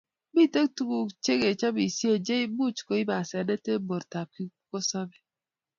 Mitei tuguk che kechobisie cheiumuch koib asenet eng bortap kipkosobei